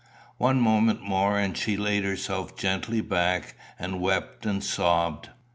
One moment more and she laid herself gently back, and wept and sobbed.